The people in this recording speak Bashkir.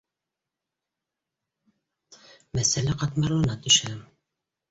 Мәсьәлә ҡатмарлана төшә